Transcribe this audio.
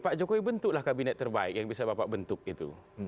pak jokowi bentuklah kabinet terbaik yang bisa bapak bentuk itu